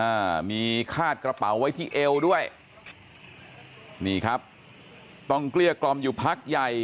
อ่ามีคาดกระเป๋าไว้ที่เอวด้วยนี่ครับต้องเกลี้ยกล่อมอยู่พักใหญ่